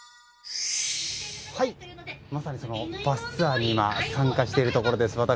まさにそのバスツアーに参加しているところです。